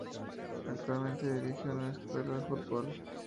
Actualmente dirige una escuela de fútbol.